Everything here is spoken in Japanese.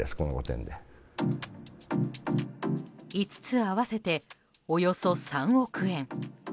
５つ合わせて、およそ３億円。